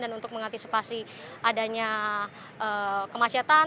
dan untuk mengantisipasi adanya kemacetan